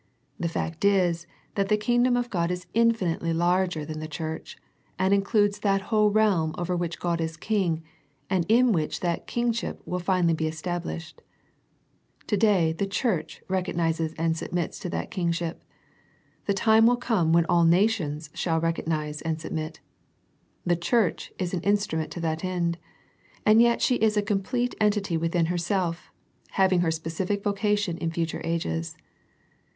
The fact is that the Kingdom of God is infinitely larger than V the Church, and includes that whole realm over which God is King, and in which that King ship will finally be established. To day the Church recognizes and submits to that King ship. The time will come when all nations shall recognize and submit. The Church is an instrument to that end. And yet she is a complete entity within herself, having her spe cific vocation in future ages.